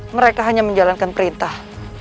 mereka hanya menjalankan perintah